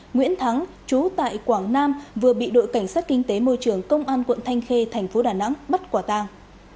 nguyễn thắng chú tại quảng nam vừa bị đội cảnh sát kinh tế môi trường công an quận thanh khê thành phố đà nẵng bắt quả tàng